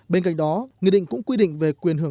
bên cạnh đó nghị định cũng quy định về quyền hưởng